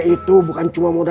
nggak begitu coba mak nda